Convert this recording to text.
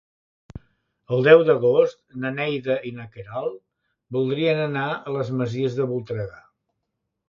El deu d'agost na Neida i na Queralt voldrien anar a les Masies de Voltregà.